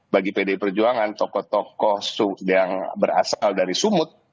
bagi pdi perjuangan tokoh tokoh yang berasal dari sumut